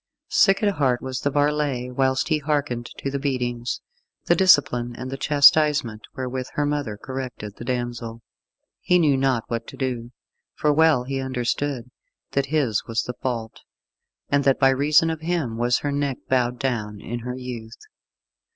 Sick at heart was the varlet whilst he hearkened to the beatings, the discipline and the chastisement wherewith her mother corrected the damsel. He knew not what to do, for well he understood that his was the fault, and that by reason of him was her neck bowed down in her youth.